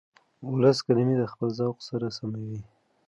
ولس کلمې د خپل ذوق سره سموي.